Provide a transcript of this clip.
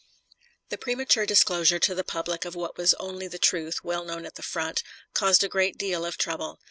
This premature disclosure to the public of what was only the truth, well known at the front, caused a great deal of trouble.